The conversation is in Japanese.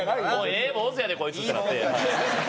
ええ坊主やでこいつってなって。